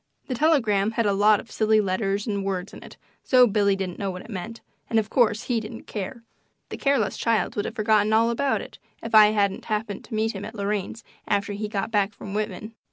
The telegram had a lot of silly letters and words in it, so Billy didn't know what it meant, and, of course, he didn't care. The careless child would have forgotten all about it if I hadn't happened to meet him at Lorraine's after he got back from Whitman.